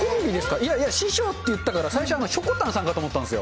いやいや、師匠っていったから、最初、しょこたんさんかと思ったんですよ。